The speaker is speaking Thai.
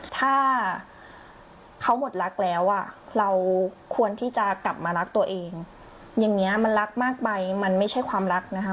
ถ้าเขาหมดรักแล้วอ่ะเราควรที่จะกลับมารักตัวเองอย่างนี้มันรักมากไปมันไม่ใช่ความรักนะคะ